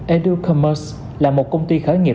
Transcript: educommerce là một công ty khởi nghiệp